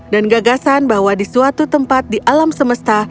dan gagasan bahwa di suatu tempat di alam semesta